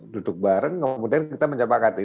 duduk bareng kemudian kita menjabak hati